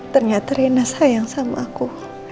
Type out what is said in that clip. ternyata rina sayang sama aku